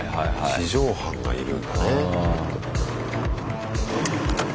地上班がいるんだね。